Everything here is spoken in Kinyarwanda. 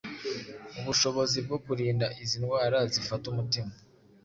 ubushobozi bwo kurinda izi ndwara zifata umutima